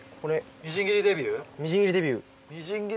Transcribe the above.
みじん切りデビュー？